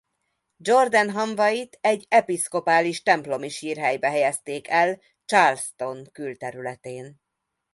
Jordan hamvait egy episzkopális templomi sírhelybe helyezték el Charleston külterületén.